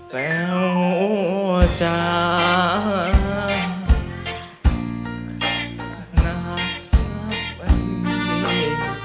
แตวจานาแตวนี้